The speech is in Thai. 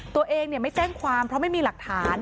ตัวเองไม่แจ้งความเพราะไม่มีหลักฐาน